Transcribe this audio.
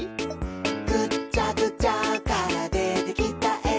「ぐっちゃぐちゃからでてきたえ」